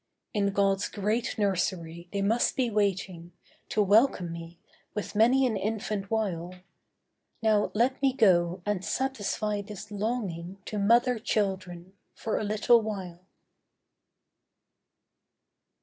In God's great nursery they must be waiting To welcome me with many an infant wile. Now let me go and satisfy this longing To mother children for a little while.